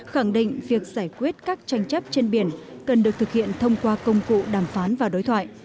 khẳng định việc giải quyết các tranh chấp trên biển cần được thực hiện thông qua công cụ đàm phán và đối thoại